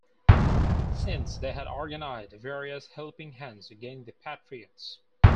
Since they had organized various helping hands against the Patriots.